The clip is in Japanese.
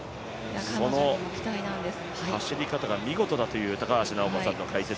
その走り方が見事だという高橋尚子さんの解説。